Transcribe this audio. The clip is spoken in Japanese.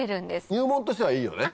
入門としてはいいよね。